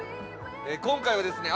今回はですね